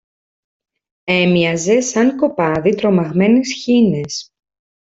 έμοιαζε σαν κοπάδι τρομαγμένες χήνες.